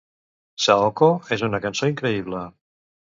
"Saoko" és una cançó increïble.